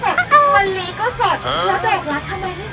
แบกเบือกก็เสร็จฮัลลีก็เสร็จ